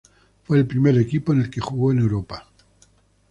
Fue el primer equipo en el que jugó en Europa.